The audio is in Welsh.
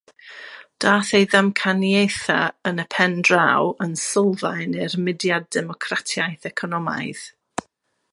Daeth ei ddamcaniaethau yn y pen draw yn sylfaen i'r mudiad democratiaeth economaidd.